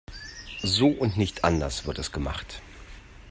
So und nicht anders wird es gemacht.